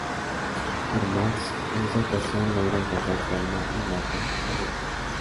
Pero Max en esta ocasión logra alcanzar su arma y mata a Bubba.